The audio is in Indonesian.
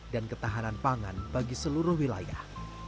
dan ketahanan pangan bagi seluruh wilayah